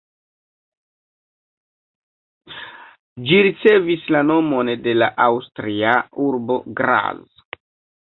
Ĝi ricevis la nomon de la aŭstria urbo Graz.